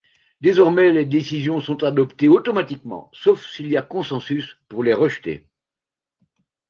Désormais, les décisions sont adoptées automatiquement sauf s'il y a consensus pour les rejeter.